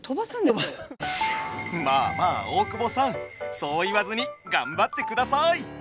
まあまあ大久保さんそう言わずに頑張ってください！